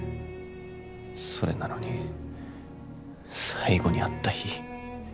それなのに最後に会った日。